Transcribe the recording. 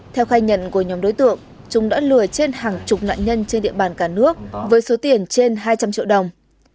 theo khai nhận của nhóm đối tượng chúng đã lừa trên hàng chục nạn nhân trên địa bàn cả nước với số tiền trên hai trăm linh triệu đồng